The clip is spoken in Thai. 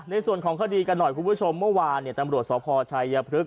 ในส่วนของคดีกันหน่อยคุณผู้ชมเมื่อวานเนี่ยตำรวจสพชัยพฤกษ